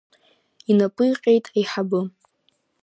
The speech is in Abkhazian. Инапы иҟьеит аиҳабы.